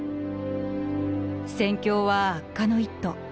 戦況は悪化の一途。